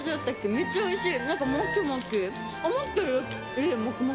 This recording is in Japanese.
めっちゃおいしい。